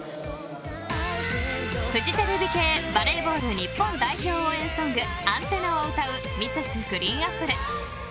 フジテレビ系バレーボール日本代表応援ソング「ＡＮＴＥＮＮＡ」を歌うＭｒｓ．ＧＲＥＥＮＡＰＰＬＥ。